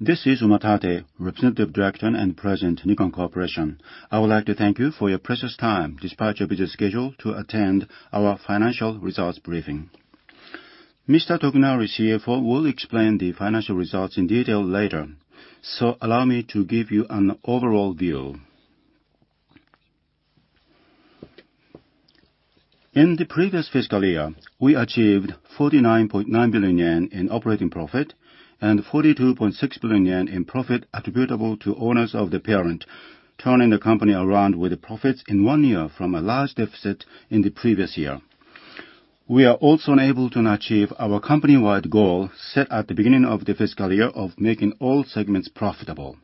This is Umatate, Representative Director and President, Nikon Corporation. I would like to thank you for your precious time despite your busy schedule to attend our Financial Results briefing. Mr. Tokunari, CFO, will explain the financial results in detail later, so allow me to give you an overall view. In the previous fiscal year, we achieved 49.9 billion yen in operating profit and 42.6 billion yen in profit attributable to owners of the parent, turning the company around with profits in one year from a large deficit in the previous year. We are also able to achieve our company-wide goal set at the beginning of the fiscal year of making all segments profitable.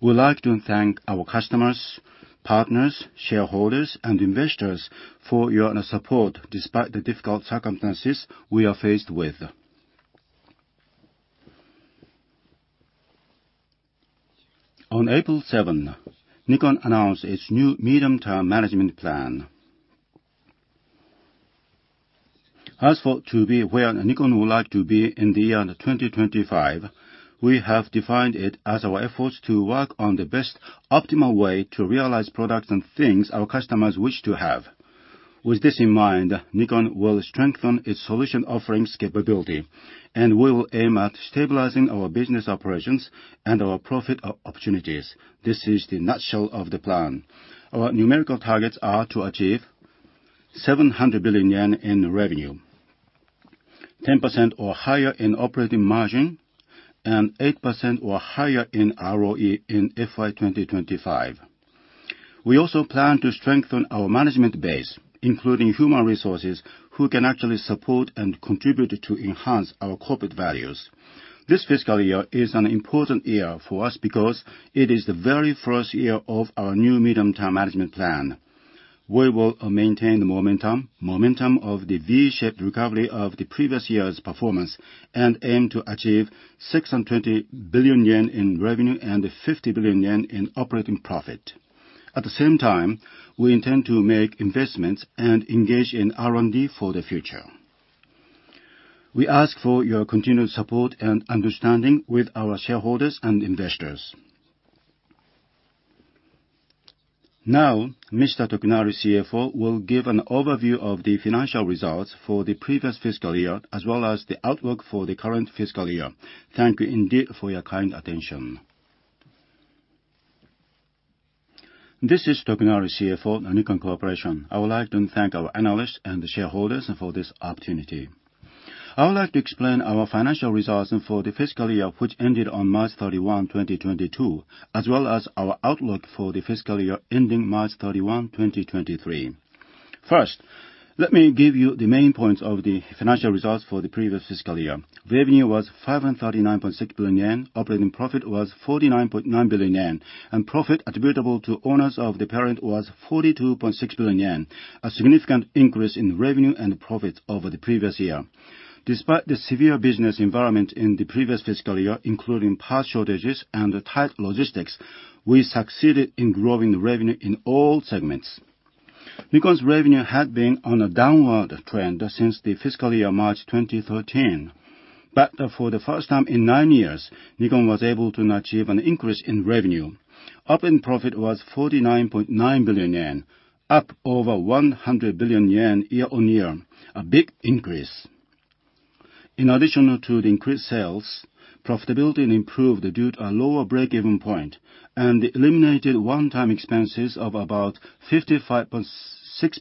We would like to thank our customers, partners, shareholders, and investors for your support despite the difficult circumstances we are faced with. On April 7, Nikon announced its new medium-term management plan. As for to be where Nikon would like to be in the year 2025, we have defined it as our efforts to work on the best optimal way to realize products and things our customers wish to have. With this in mind, Nikon will strengthen its solution offerings capability, and we will aim at stabilizing our business operations and our profit opportunities. This is in a nutshell of the plan. Our numerical targets are to achieve 700 billion yen in revenue, 10% or higher in operating margin, and 8% or higher in ROE in FY 2025. We also plan to strengthen our management base, including human resources, who can actually support and contribute to enhance our corporate values. This fiscal year is an important year for us because it is the very first year of our new medium-term management plan. We will maintain the momentum of the V-shaped recovery of the previous year's performance and aim to achieve 620 billion yen in revenue and 50 billion yen in operating profit. At the same time, we intend to make investments and engage in R&D for the future. We ask for your continued support and understanding with our shareholders and investors. Now, Mr. Tokunari, CFO, will give an overview of the financial results for the previous fiscal year as well as the outlook for the current fiscal year. Thank you indeed for your kind attention. This is Tokunari, CFO, Nikon Corporation. I would like to thank our analysts and shareholders for this opportunity. I would like to explain our financial results for the fiscal year, which ended on March 31, 2022, as well as our outlook for the fiscal year ending March 31, 2023. First, let me give you the main points of the financial results for the previous fiscal year. Revenue was 539.6 billion yen, operating profit was 49.9 billion yen, and profit attributable to owners of the parent was 42.6 billion yen, a significant increase in revenue and profit over the previous year. Despite the severe business environment in the previous fiscal year, including parts shortages and tight logistics, we succeeded in growing revenue in all segments. Nikon's revenue had been on a downward trend since the fiscal year March 2013, but for the first time in nine years, Nikon was able to achieve an increase in revenue. Operating profit was 49.9 billion yen, up over 100 billion yen year-on-year, a big increase. In addition to the increased sales, profitability improved due to a lower break-even point and eliminated one-time expenses of about 55.6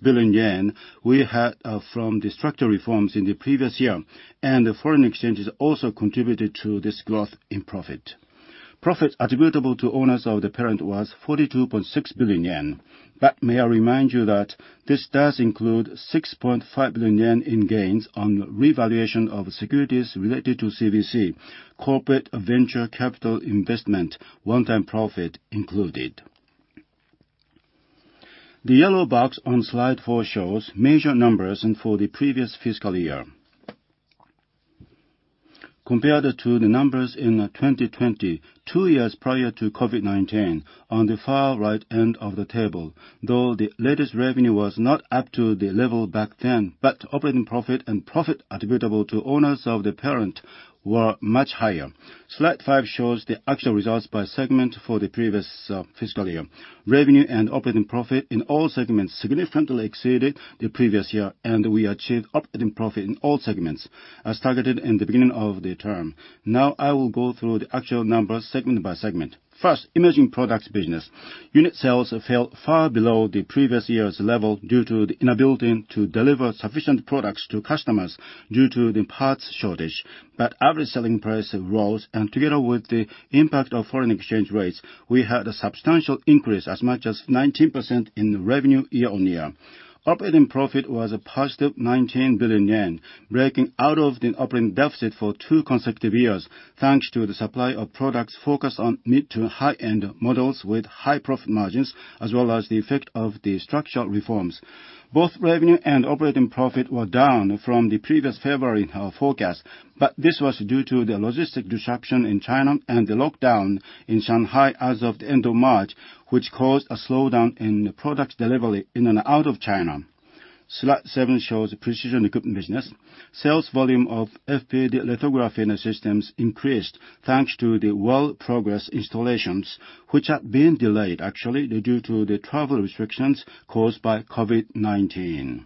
billion yen we had from the structural reforms in the previous year, and the foreign exchanges also contributed to this growth in profit. Profit attributable to owners of the parent was 42.6 billion yen. May I remind you that this does include 6.5 billion yen in gains on revaluation of securities related to CVC, Corporate Venture Capital investment, one-time profit included. The yellow box on slide four shows major numbers and for the previous fiscal year. Compared to the numbers in 2020, two years prior to COVID-19, on the far right end of the table, though, the latest revenue was not up to the level back then, but operating profit and profit attributable to owners of the parent were much higher. Slide five shows the actual results by segment for the previous fiscal year. Revenue and operating profit in all segments significantly exceeded the previous year, and we achieved operating profit in all segments as targeted in the beginning of the term. Now I will go through the actual numbers segment-by-segment. First, Imaging Products business. Unit sales fell far below the previous year's level due to the inability to deliver sufficient products to customers due to the parts shortage. Average selling price rose, and together with the impact of foreign exchange rates, we had a substantial increase as much as 19% in revenue year-on-year. Operating profit was a positive 19 billion yen, breaking out of the operating deficit for two consecutive years, thanks to the supply of products focused on mid- to high-end models with high profit margins as well as the effect of the structural reforms. Both revenue and operating profit were down from the previous February forecast, but this was due to the logistic disruption in China and the lockdown in Shanghai as of the end of March, which caused a slowdown in product delivery in and out of China. Slide seven shows Precision Equipment business. Sales volume of FPD lithography systems increased thanks to the well-progressed installations, which have been delayed actually due to the travel restrictions caused by COVID-19.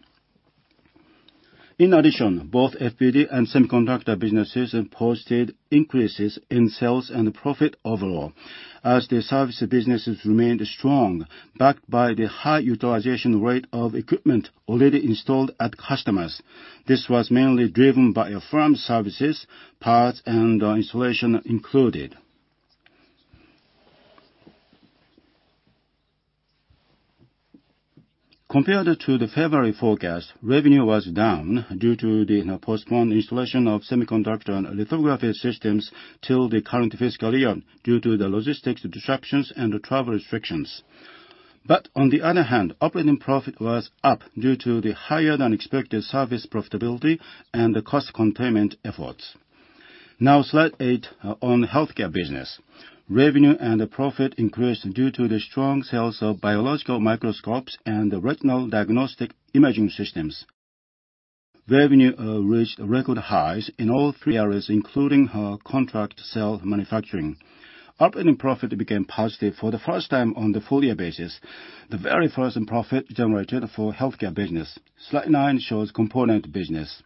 In addition, both FPD and semiconductor businesses posted increases in sales and profit overall as the service businesses remained strong, backed by the high utilization rate of equipment already installed at customers. This was mainly driven by aftermarket services, parts, and installation included. Compared to the February forecast, revenue was down due to the postponed installation of semiconductor and lithography systems till the current fiscal year due to the logistics disruptions and travel restrictions. On the other hand, operating profit was up due to the higher-than-expected service profitability and the cost containment efforts. Now Slide eight on Healthcare business. Revenue and profit increased due to the strong sales of biological microscopes and the retinal diagnostic imaging systems. Revenue reached record highs in all three areas, including contract cell manufacturing. Operating profit became positive for the first time on the full-year basis, the very first profit generated for Healthcare business. Slide nine shows Components business.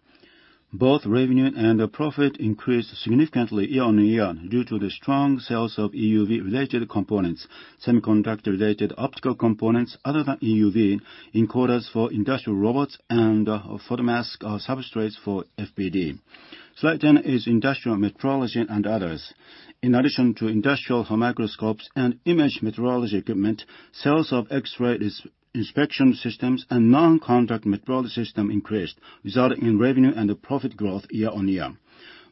Both revenue and profit increased significantly year-on-year due to the strong sales of EUV-related components, semiconductor-related optical components other than EUV, encoders for industrial robots, and photomask substrates for FPD. Slide ten is Industrial Metrology and Others. In addition to industrial microscopes and image metrology equipment, sales of X-ray inspection systems and non-contact metrology system increased, resulting in revenue and profit growth year-on-year.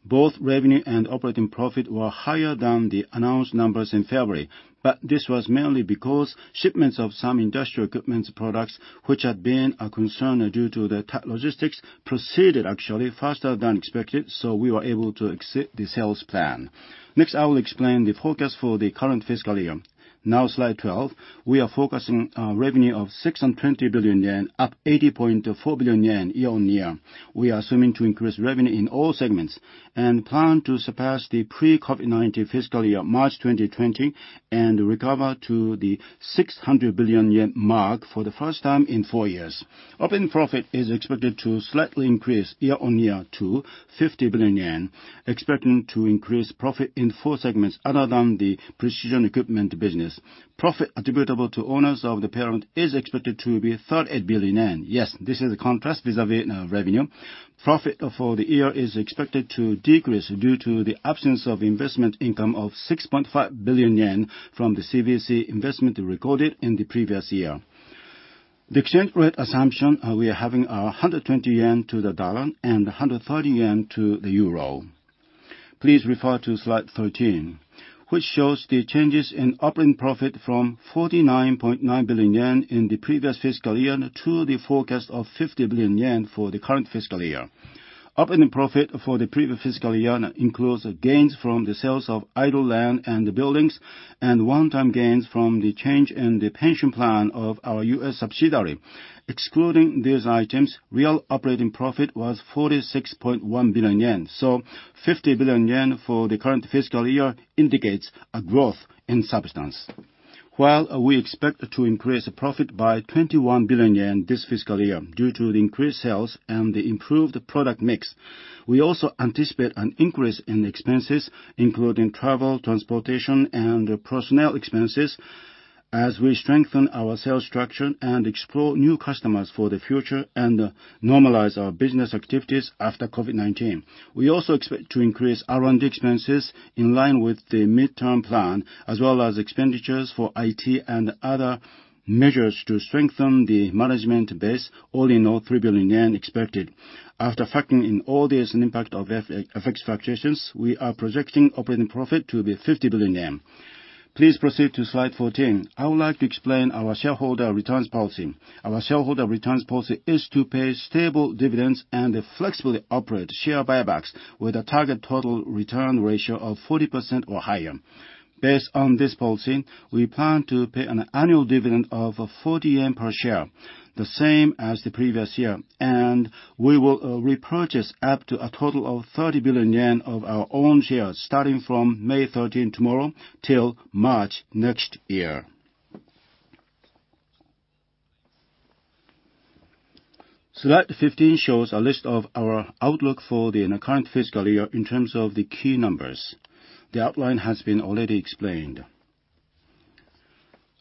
Both revenue and operating profit were higher than the announced numbers in February, but this was mainly because shipments of some industrial equipment products, which had been a concern due to the logistics, proceeded actually faster than expected, so we were able to exceed the sales plan. Next, I will explain the forecast for the current fiscal year. Now slide 12, we are forecasting revenue of 620 billion yen, up 80.4 billion yen year-on-year. We are assuming to increase revenue in all segments and plan to surpass the pre-COVID-19 fiscal year, March 2020, and recover to the 600 billion yen mark for the first time in four years. Operating profit is expected to slightly increase year-on-year to 50 billion yen, expecting to increase profit in four segments other than the Precision Equipment business. Profit attributable to owners of the parent is expected to be 38 billion yen. Yes, this is a contrast vis-à-vis revenue. Profit for the year is expected to decrease due to the absence of investment income of 6.5 billion yen from the CVC investment recorded in the previous year. The exchange rate assumption, we are having 120 yen to the dollar and 130 yen to the euro. Please refer to slide 13, which shows the changes in operating profit from 49.9 billion yen in the previous fiscal year to the forecast of 50 billion yen for the current fiscal year. Operating profit for the previous fiscal year includes gains from the sales of idle land and buildings and one-time gains from the change in the pension plan of our U.S. subsidiary. Excluding these items, real operating profit was 46.1 billion yen. 50 billion yen for the current fiscal year indicates a growth in substance. While we expect to increase profit by 21 billion yen this fiscal year due to the increased sales and the improved product mix, we also anticipate an increase in expenses, including travel, transportation, and personnel expenses as we strengthen our sales structure and explore new customers for the future and normalize our business activities after COVID-19. We also expect to increase R&D expenses in line with the midterm plan, as well as expenditures for IT and other measures to strengthen the management base, all in all, 3 billion yen expected. After factoring in all this and impact of FX fluctuations, we are projecting operating profit to be 50 billion yen. Please proceed to slide 14. I would like to explain our shareholder returns policy. Our shareholder returns policy is to pay stable dividends and flexibly operate share buybacks with a target total return ratio of 40% or higher. Based on this policy, we plan to pay an annual dividend of 40 yen per share, the same as the previous year. We will repurchase up to a total of 30 billion yen of our own shares starting from May 13, tomorrow, till March next year. Slide 15 shows a list of our outlook for the current fiscal year in terms of the key numbers. The outline has been already explained.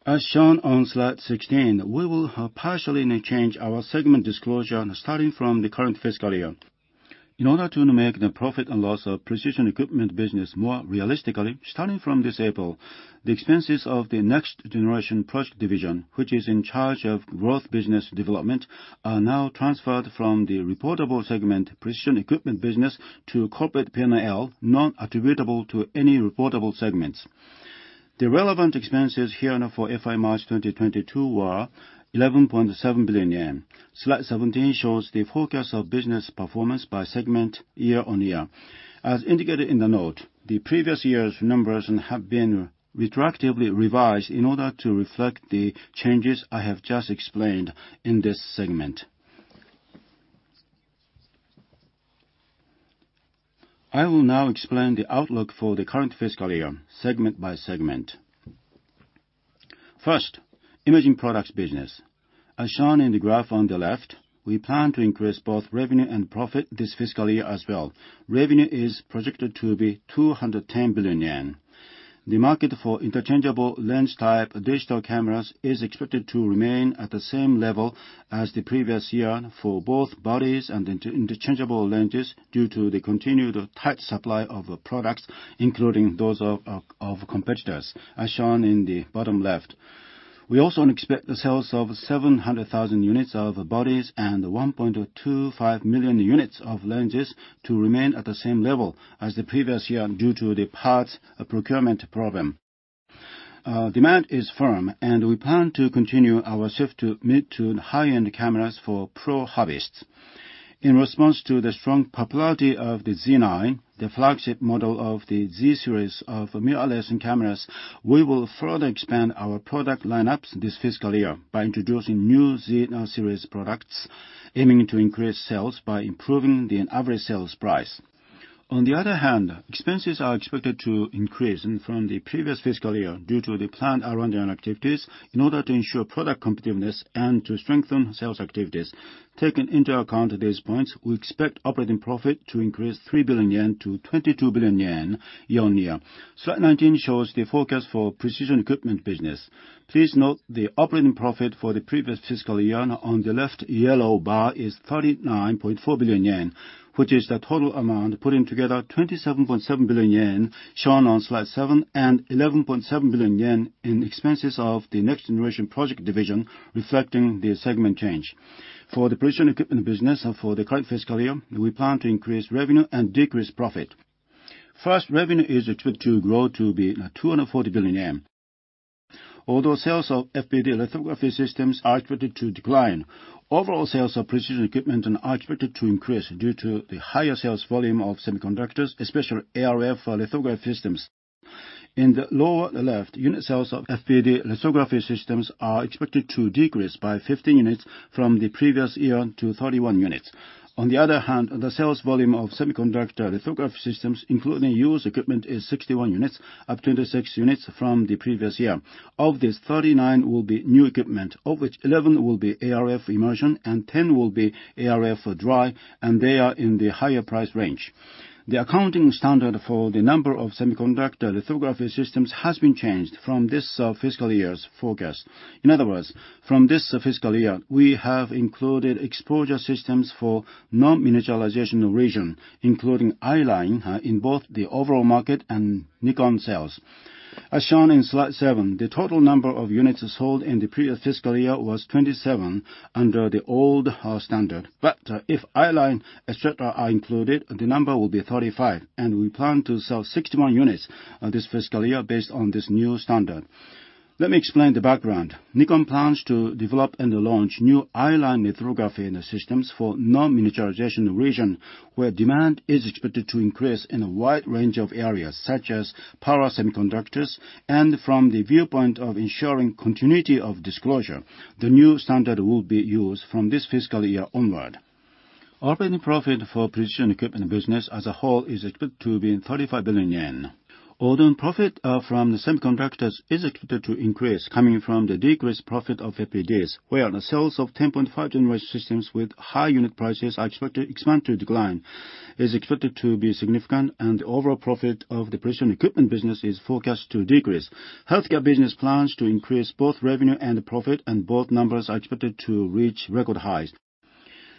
As shown on Slide 16, we will have partially changed our segment disclosure starting from the current fiscal year. In order to make the profit and loss of Precision Equipment business more realistic, starting from this April, the expenses of the Next Generation Project Division, which is in charge of growth business development, are now transferred from the reportable segment, Precision Equipment business, to corporate P&L, not attributable to any reportable segments. The relevant expenses here now for FY March 2022 were 11.7 billion yen. Slide 17 shows the forecast of business performance by segment year-on-year. As indicated in the note, the previous year's numbers have been retroactively revised in order to reflect the changes I have just explained in this segment. I will now explain the outlook for the current fiscal year segment-by-segment. First, Imaging Products business. As shown in the graph on the left, we plan to increase both revenue and profit this fiscal year as well. Revenue is projected to be 210 billion yen. The market for interchangeable lens type digital cameras is expected to remain at the same level as the previous year for both bodies and interchangeable lenses due to the continued tight supply of products, including those of competitors, as shown in the bottom left. We also expect the sales of 700,000 units of bodies and 1.25 million units of lenses to remain at the same level as the previous year due to the parts procurement problem. Demand is firm, and we plan to continue our shift to mid- to high-end cameras for pro hobbyists. In response to the strong popularity of the Z 9, the flagship model of the Z series of mirrorless cameras, we will further expand our product lineups this fiscal year by introducing new Z series products, aiming to increase sales by improving the average sales price. On the other hand, expenses are expected to increase from the previous fiscal year due to the planned R&D activities in order to ensure product competitiveness and to strengthen sales activities. Taking into account these points, we expect operating profit to increase 3 billion yen to 22 billion yen year-on-year. Slide 19 shows the forecast for Precision Equipment business. Please note the operating profit for the previous fiscal year on the left yellow bar is 39.4 billion yen, which is the total amount putting together 27.7 billion yen shown on slide seven and 11.7 billion yen in expenses of the Next Generation Project Division, reflecting the segment change. For the Precision Equipment business for the current fiscal year, we plan to increase revenue and decrease profit. First, revenue is expected to grow to be 240 billion yen. Although sales of FPD lithography systems are expected to decline, overall sales of Precision Equipment are expected to increase due to the higher sales volume of semiconductors, especially ArF lithography systems. In the lower left, unit sales of FPD lithography systems are expected to decrease by 50 units from the previous year to 31 units. On the other hand, the sales volume of semiconductor lithography systems, including used equipment, is 61 units, up 26 units from the previous year. Of these, 39 will be new equipment, of which 11 will be ArF immersion and 10 will be ArF dry, and they are in the higher price range. The accounting standard for the number of semiconductor lithography systems has been changed from this fiscal year's forecast. In other words, from this fiscal year, we have included exposure systems for non-miniaturization region, including i-line, in both the overall market and Nikon sales. As shown in slide seven, the total number of units sold in the previous fiscal year was 27 under the old standard. If i-line, et cetera, are included, the number will be 35, and we plan to sell 61 units this fiscal year based on this new standard. Let me explain the background. Nikon plans to develop and launch new i-line lithography in the systems for non-miniaturization region, where demand is expected to increase in a wide range of areas, such as power semiconductors and from the viewpoint of ensuring continuity of disclosure. The new standard will be used from this fiscal year onward. Operating profit for Precision Equipment business as a whole is expected to be 35 billion yen. Although profit from the semiconductors is expected to increase coming from the decreased profit of FPDs, where the sales of 10.5 generation systems with high unit prices are expected to expand, to decline is expected to be significant and the overall profit of the Precision Equipment business is forecast to decrease. Healthcare business plans to increase both revenue and profit, and both numbers are expected to reach record highs.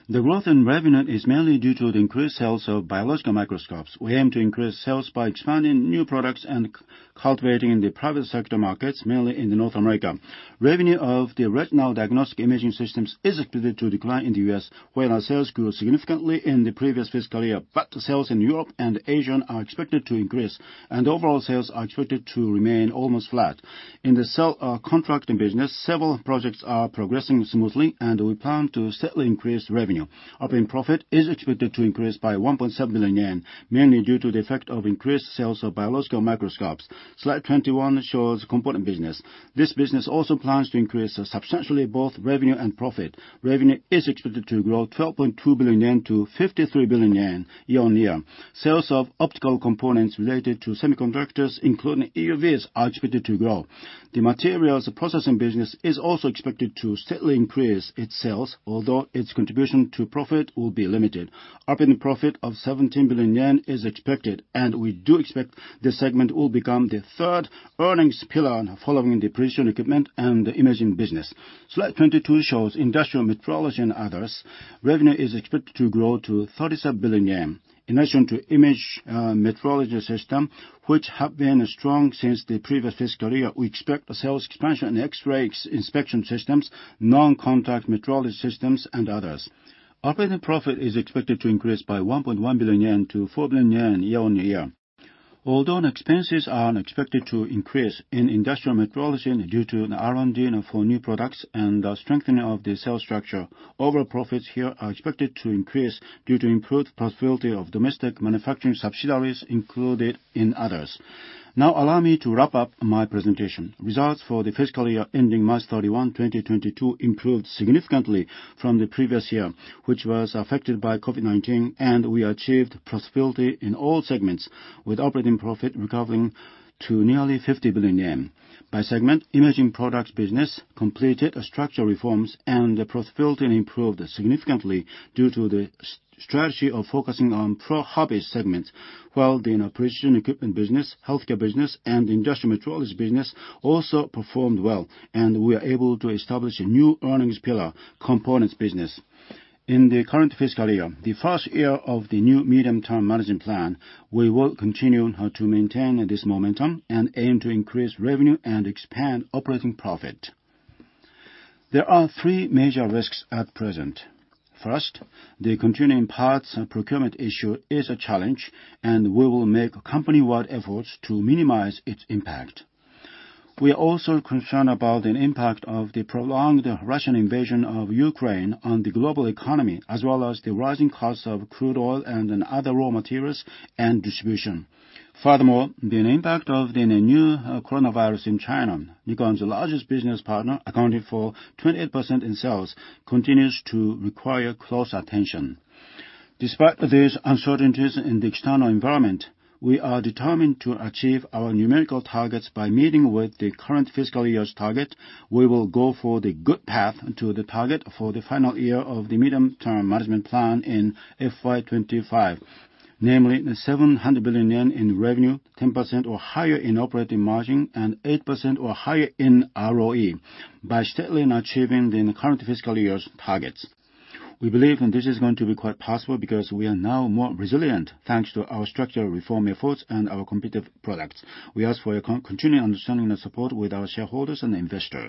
The growth in revenue is mainly due to the increased sales of biological microscopes. We aim to increase sales by expanding new products and cultivating in the private sector markets, mainly in North America. Revenue of the retinal diagnostic imaging systems is expected to decline in the U.S., where our sales grew significantly in the previous fiscal year. Sales in Europe and Asia are expected to increase, and overall sales are expected to remain almost flat. In the healthcare business, several projects are progressing smoothly, and we plan to steadily increase revenue. Operating profit is expected to increase by 1.7 billion yen, mainly due to the effect of increased sales of biological microscopes. Slide 21 shows Components business. This business also plans to increase substantially both revenue and profit. Revenue is expected to grow 12.2 billion yen to 53 billion yen year-over-year. Sales of optical components related to semiconductors, including EUVs, are expected to grow. The materials processing business is also expected to steadily increase its sales, although its contribution to profit will be limited. Operating profit of 17 billion yen is expected, and we do expect this segment will become the third earnings pillar following the Precision Equipment and the imaging business. Slide 22 shows Industrial Metrology and Others. Revenue is expected to grow to 37 billion yen. In addition to image metrology system, which have been strong since the previous fiscal year, we expect sales expansion in X-ray inspection systems, non-contact metrology systems, and others. Operating profit is expected to increase by 1.1 billion yen to 4 billion yen year-on-year. Although expenses are expected to increase in industrial metrology due to an R&D for new products and strengthening of the sales structure, overall profits here are expected to increase due to improved profitability of domestic manufacturing subsidiaries included in others. Now allow me to wrap up my presentation. Results for the fiscal year ending March 31, 2022 improved significantly from the previous year, which was affected by COVID-19, and we achieved profitability in all segments, with operating profit recovering to nearly 50 billion yen. By segment, Imaging Products business completed structural reforms and the profitability improved significantly due to the strategy of focusing on pro hobby segments, while the Precision Equipment business, Healthcare business, and Industrial Metrology business also performed well, and we are able to establish a new earnings pillar, Components business. In the current fiscal year, the first year of the new medium-term management plan, we will continue how to maintain this momentum and aim to increase revenue and expand operating profit. There are three major risks at present. First, the continuing parts procurement issue is a challenge, and we will make company-wide efforts to minimize its impact. We are also concerned about the impact of the prolonged Russian invasion of Ukraine on the global economy, as well as the rising costs of crude oil and then other raw materials and distribution. Furthermore, the impact of the new coronavirus in China, Nikon's largest business partner accounting for 28% in sales, continues to require close attention. Despite these uncertainties in the external environment, we are determined to achieve our numerical targets by meeting the current fiscal year's target. We will go for the good path to the target for the final year of the medium-term management plan in FY 2025, namely 700 billion yen in revenue, 10% or higher in operating margin, and 8% or higher in ROE by steadily achieving the current fiscal year's targets. We believe this is going to be quite possible because we are now more resilient thanks to our structural reform efforts and our competitive products. We ask for your continued understanding and support from our shareholders and investors.